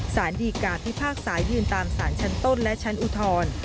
สารดีกาพิพากษายืนตามสารชั้นต้นและชั้นอุทธร